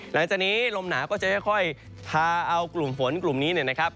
หลังจากนี้ลมหนาวก็จะค่อยพาเอากลุ่มฝนกลุ่มนี้เนี่ยนะครับ